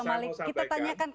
saya mau sampaikan